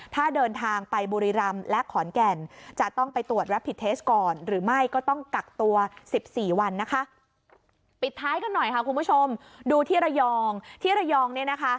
ถ้าเดินทางไปโรงพยาบบุรีรำและของกาหลัก